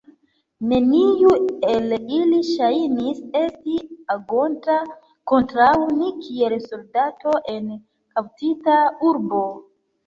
Neniu el ili ŝajnis esti agonta kontraŭ ni kiel soldato en kaptita urbo.